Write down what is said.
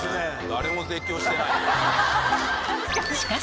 誰も絶叫してない。